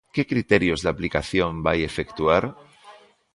¿Que criterios de aplicación vai efectuar?